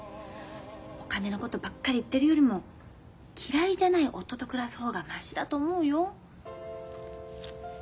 お金のことばっかり言ってるよりも嫌いじゃない夫と暮らす方がマシだと思うよ。